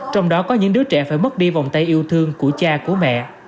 trong đó có những đứa trẻ phải mất đi vòng tay yêu thương của cha của mẹ